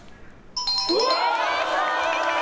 正解です！